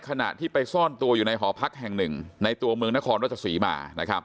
ขณะที่ไปซ่อนตัวอยู่ในหอพักแห่งหนึ่งในตัวเมืองนครราชศรีมา